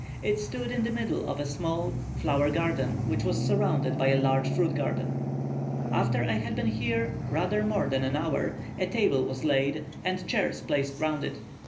It stood in the middle of a small flower garden, which was surrounded by a large fruit garden. After I had been here rather more than an hour, a table was laid, and chairs placed round it.